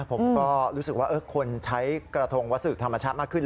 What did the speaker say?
ผมก็รู้สึกว่าคนใช้กระทงวัสดุธรรมชาติมากขึ้น